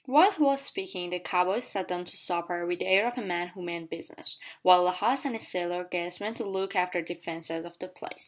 While he was speaking the cow boy sat down to supper with the air of a man who meant business, while the host and his sailor guest went to look after the defences of the place.